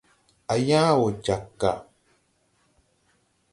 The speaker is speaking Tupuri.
Á yãã wo jag ga.